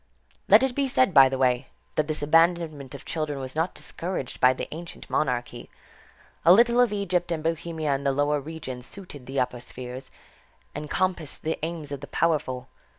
Let it be said by the way, that this abandonment of children was not discouraged by the ancient monarchy. A little of Egypt and Bohemia in the lower regions suited the upper spheres, and compassed the aims of the powerful.